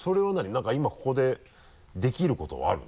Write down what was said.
何か今ここでできることはあるの？